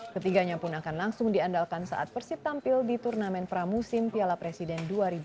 ketiganya pun akan langsung diandalkan saat persib tampil di turnamen pramusim piala presiden dua ribu dua puluh